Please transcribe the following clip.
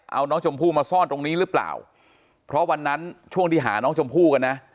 เอาน้องชมพู่มาซ่อนตรงนี้หรือเปล่าเพราะวันนั้นช่วงที่หาน้องชมพู่กันนะ